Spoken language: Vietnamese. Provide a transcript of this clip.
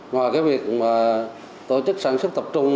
ngoài cái việc mà tổ chức sản xuất tập trung